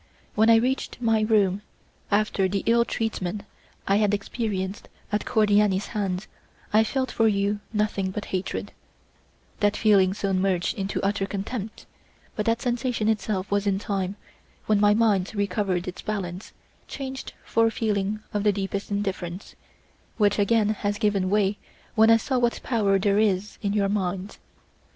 When I reached my room, after the ill treatment I had experienced at Cordiani's hands, I felt for you nothing but hatred; that feeling soon merged into utter contempt, but that sensation itself was in time, when my mind recovered its balance, changed for a feeling of the deepest indifference, which again has given way when I saw what power there is in your mind.